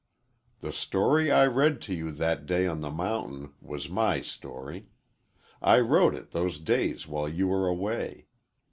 The story I read to you that day on the mountain was my story. I wrote it those days while you were away.